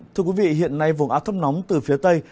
thưa quý vị hiện nay vùng át thấp nóng từ phía tây